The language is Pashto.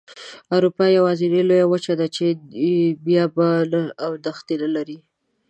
اروپا یوازینۍ لویه وچه ده چې بیابانه او دښتې نلري.